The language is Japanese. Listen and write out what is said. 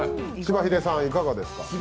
柴英さん、いかがですか？